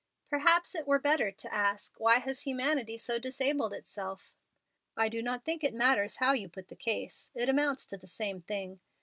"Perhaps it were better to ask, Why has humanity so disabled itself?" "I do not think it matters much how you put the case. It amounts to the same thing.